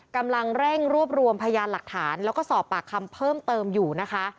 กำลังเร่งรวบรวมพยานหลักฐานแล้วก็สอบปากคำเพิ่มเติมอยู่นะคะ